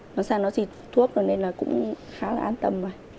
nó xin thuốc rồi nên là cũng khá là an tâm